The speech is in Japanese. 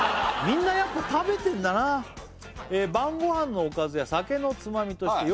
みんなやっぱ食べてんだな「晩ごはんのおかずや酒のつまみとして」